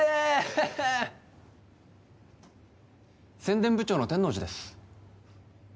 ヘヘッ宣伝部長の天王寺です